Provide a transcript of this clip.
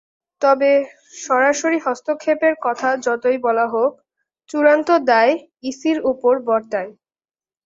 তবে সরকারি হস্তক্ষেপের কথা যতই বলা হোক, চূড়ান্ত দায় ইসির ওপর বর্তায়।